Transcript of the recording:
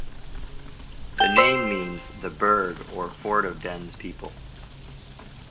The name means 'the burgh or fort of Dene's people'.